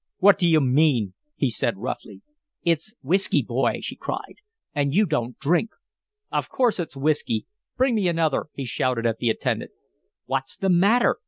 "What do you mean?" he said, roughly. "It's whiskey, boy," she cried, "and you don't drink." "Of course it's whiskey. Bring me another," he shouted at the attendant. "What's the matter?"